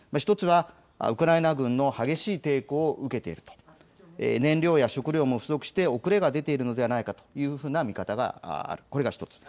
１つはウクライナ軍の激しい抵抗を受けている、燃料や食料も不足して遅れが出ているのではないかという見方があります。